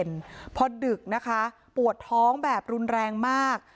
ตอนเย็นเพราะดึกนะคะปวดท้องแบบรุนแรงมาก